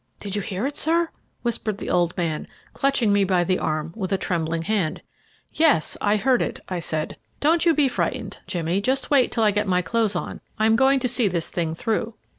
"Did you hear it, sir?" whispered the old man, clutching me by the arm with a trembling hand. "Yes, I heard it," I said. "Don't you be frightened, Jimmy; just wait till I get my clothes on; I am going to see this thing through."